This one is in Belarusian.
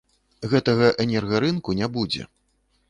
Гэтага энергарынку не будзе.